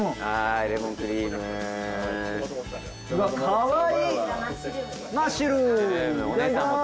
かわいい！